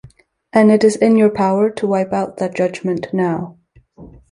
And it is in your power to wipe out that judgment now.